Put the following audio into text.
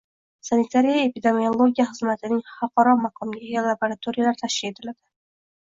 Sanitariya-epidemiologiya xizmatining xalqaro maqomga ega laboratoriyalari tashkil etiladi.